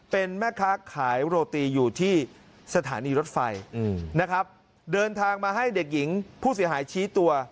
เป็นแม่ค้าขายโรตีอยู่ที่สถานีรถไฟนะครับเดินทางมาให้เด็กหญิงผู้เสียหายชี้ตัว